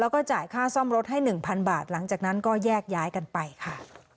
ค่าซ่อมรถให้๑๐๐๐บาทหลังจากนั้นก็แยกย้ายกันไปค่ะ